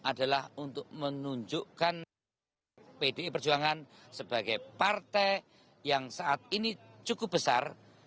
adalah untuk menunjukkan pdi perjuangan sebagai partai yang saat ini cukup besar